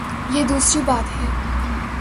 یہ دوسری بات ہے۔